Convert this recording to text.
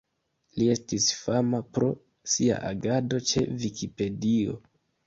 Li estis fama pro sia agado ĉe Vikipedio.